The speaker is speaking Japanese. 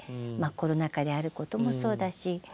コロナ禍であることもそうだし